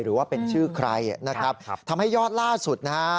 หรือว่าเป็นชื่อใครนะครับทำให้ยอดล่าสุดนะฮะ